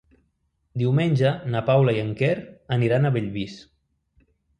Diumenge na Paula i en Quer aniran a Bellvís.